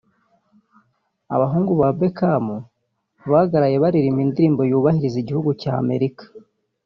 abahungu ba Beckham bagaraye baririmba indirimbo yubahiriza igihugu ya Amerika